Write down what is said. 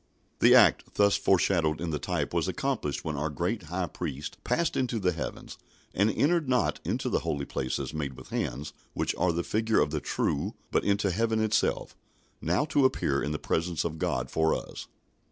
The act thus foreshadowed in the type was accomplished when our great High Priest passed into the heavens, and "entered not into the holy places made with hands, which are the figure of the true; but into heaven itself, now to appear in the presence of God for us."